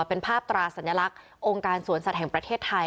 เป็นภาพตราสัญลักษณ์องค์การสวนสัตว์แห่งประเทศไทย